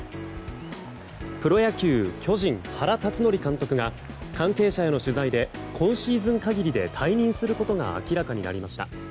プロ野球巨人、原辰徳監督が関係者への取材で今シーズン限りで退任することが明らかになりました。